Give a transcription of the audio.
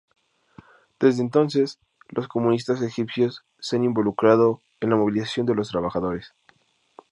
Desde entonces, los comunistas egipcios se han involucrado en la movilización de los trabajadores.